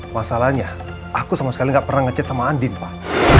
masalahnya aku sama sekali gak pernah ngecet sama andin pak